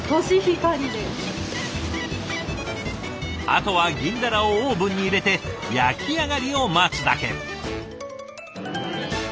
あとは銀鱈をオーブンに入れて焼き上がりを待つだけ。